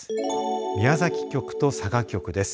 宮崎局と佐賀局です。